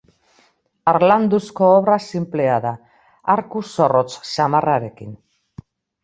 Harlanduzko obra sinplea da, arku zorrotz samarrarekin.